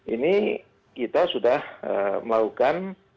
ini kita sudah melakukan